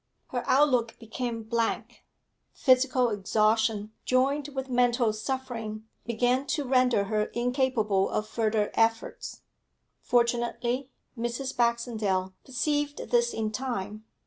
Her outlook became blank; physical exhaustion joined with mental suffering began to render her incapable of further efforts. Fortunately, Mrs. Baxendale perceived this in time.